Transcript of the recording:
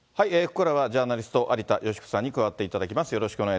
ここからは、ジャーナリスト、有田芳生さんに加わっていただきます。